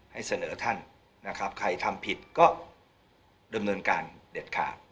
ให้เสนอท่านนะครับใครทำผิดก็ดำเนินการเด็ดขาด